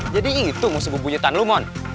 jadi itu musuh bubuyutan lo mon